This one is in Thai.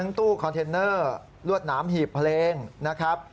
ทั้งตู้คอนเทนเนอร์ลวดน้ำหีบเพลงนะครับ